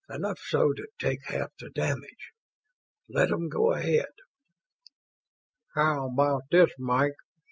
Enough so to take half the damage. Let 'em go ahead." "How about this, Mike?"